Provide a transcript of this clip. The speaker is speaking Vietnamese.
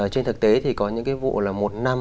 trên thực tế thì có những cái vụ là một năm